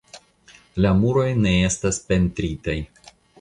La muroj ne estas pentritaj.